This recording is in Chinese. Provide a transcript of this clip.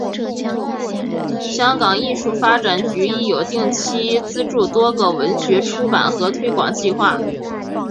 香港艺术发展局亦有定期资助多个文学出版和推广计划。